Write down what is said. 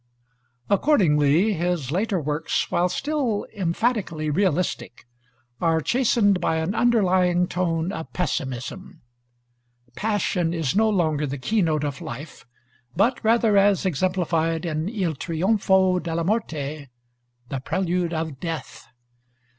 Accordingly his later books, while still emphatically realistic, are chastened by an underlying tone of pessimism. Passion is no longer the keynote of life, but rather, as exemplified in 'Il Trionfo della Morte,' the prelude of death.